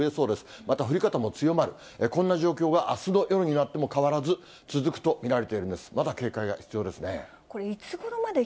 また降り方も強まる、こんな状況があすの夜になっても変わらず、続くと見られているんです。